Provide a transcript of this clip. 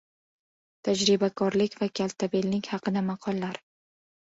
Tajribakorlik va kaltabinlik haqida maqollar.